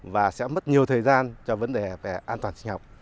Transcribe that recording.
và sẽ mất nhiều thời gian cho vấn đề về an toàn sinh học